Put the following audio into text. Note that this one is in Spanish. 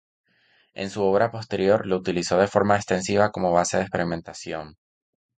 En su obra posterior lo utilizó de forma extensiva como base de experimentación.